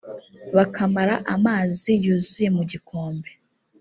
bakamara amazi yuzuye mu gikombe